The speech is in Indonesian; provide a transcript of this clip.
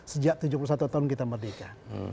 sejak tujuh puluh satu tahun kita merdeka